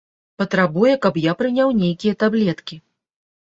Патрабуе, каб я прыняў нейкія таблеткі!